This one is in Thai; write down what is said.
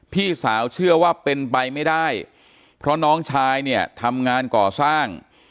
พี่สาวเชื่อว่าเป็นไปไม่ได้เพราะน้องชายเนี่ยทำงานก่อสร้าง